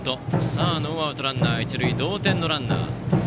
さあ、ノーアウトランナー、一塁同点のランナー。